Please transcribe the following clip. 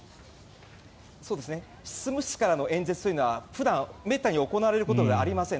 執務室からの演説というのは普段、めったに行われることではありません。